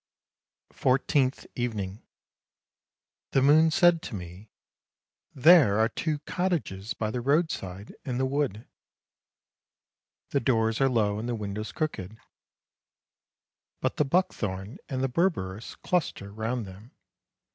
" FOURTEENTH EVENING The moon said to me: " There are two cottages by the road side in the wood, the doors are low and the windows crooked, but the buckthorn and the berberis cluster round them.